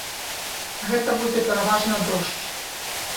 Гэта будзе пераважна дождж.